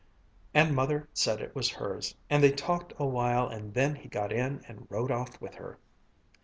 And Mother said it was hers, and they talked a while, and then he got in and rode off with her."